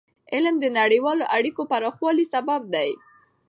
علم د نړیوالو اړیکو پراخوالي سبب دی.